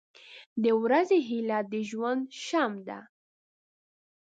• د ورځې هیلې د ژوند شمع ده.